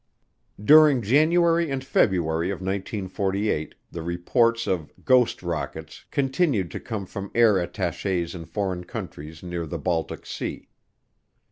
During January and February of 1948 the reports of "ghost rockets" continued to come from air attaches in foreign countries near the Baltic Sea.